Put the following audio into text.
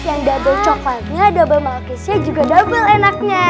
yang double coklatnya double maluk kisnya juga double enaknya